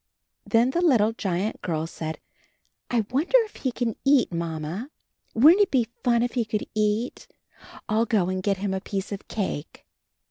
Then the little giant girl said, "I wonder if he can eat. Mamma. Wouldn't it be fun if he can eat? I'll go and get him a piece of cake."